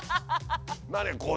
何？